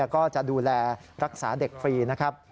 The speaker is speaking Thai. ก็จะดูแลรักษาเด็กฟรีนะครับ